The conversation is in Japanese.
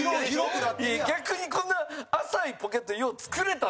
高橋：逆に、こんな浅いポケットよう作れたな！